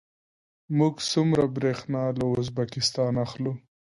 موږ څومره بریښنا له ازبکستان اخلو؟